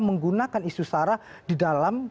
menggunakan isu sara di dalam